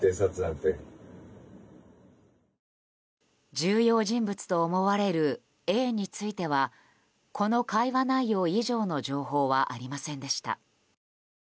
重要人物と思われるＡについてはこの会話内容以上の情報はありませんでした。